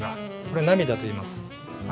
これ涙といいます。